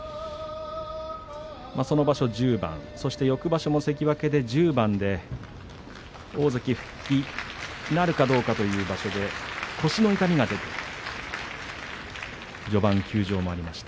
その場所１０番、翌場所関脇で１０番で大関復帰なるかどうかという場所で腰の痛みが出ました。